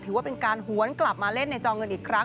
ถือว่าเป็นการหวนกลับมาเล่นในจอเงินอีกครั้ง